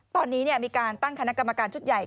ตอนนี้มีการตั้งคณะกรรมการชุดใหญ่